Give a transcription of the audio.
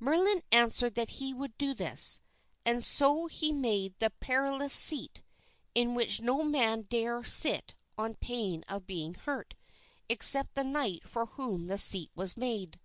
Merlin answered that he would do this; and so he made the Perilous Seat, in which no man dare sit on pain of being hurt, except the knight for whom the seat was made.